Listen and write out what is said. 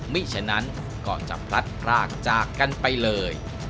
ฉะนั้นก็จะพลัดพรากจากกันไปเลย